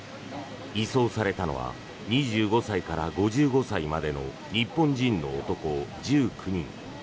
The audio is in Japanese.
移送されたのは２５歳から５５歳までの日本人の男１９人。